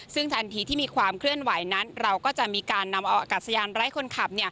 ซึ่งทันทีที่มีความเคลื่อนไหวนั้นเราก็จะมีการนำเอาอากาศยานไร้คนขับ